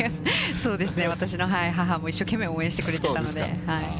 そうですね、私の母も一生懸命応援してくれたので。